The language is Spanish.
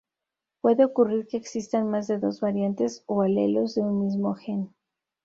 Puede ocurrir que existan más de dos variantes o alelos de un mismo gen.